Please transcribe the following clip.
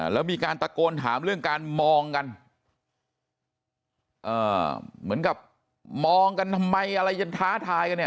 แล้วมีการตะโกนถามเรื่องการมองกันเหมือนกับมองกันทำไมอะไรจนท้าทายกันเนี่ย